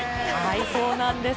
そうなんです。